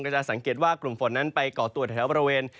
จะสังเกตว่ากลุ่มฝนนั้นไปก่อตัวแถวบริเวณ